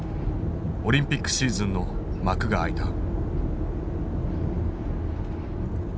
オリンピックシーズンの幕が開いた。